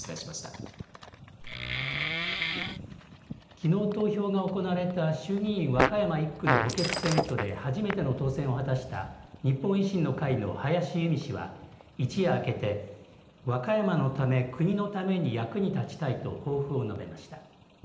きのう投票が行われた衆議院和歌山１区の補欠選挙で初めての当選を果たした日本維新の会の林佑美氏は一夜明けて和歌山のため国のために役に立ちたいと抱負を述べました。